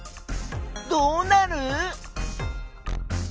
どうなる？